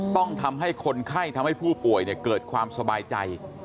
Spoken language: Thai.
ต้องทำให้คนไข้ทำให้ผู้ป่วยเกิดความสบายใจ